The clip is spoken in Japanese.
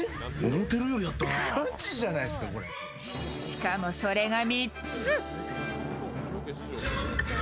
しかも、それが３つ。